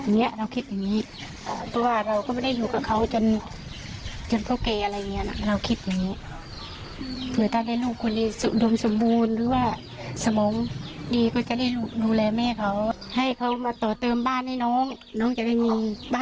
ไม่ต้องจะได้มีบ้านอยู่อะไรอย่างนี้